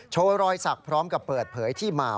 โชว์รอยสักพร้อมกับเปิดเผยที่มา